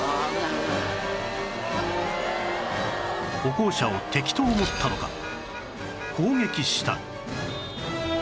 歩行者を敵と思ったのか攻撃した